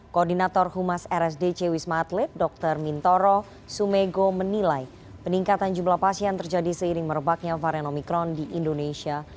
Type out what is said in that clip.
koordinator humas rsdc wisma atlet dr mintoro sumego menilai peningkatan jumlah pasien terjadi seiring merebaknya varian omikron di indonesia